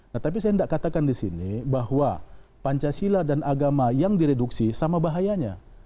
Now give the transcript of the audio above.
nah tapi saya tidak katakan di sini bahwa pancasila dan agama yang direduksi sama bahayanya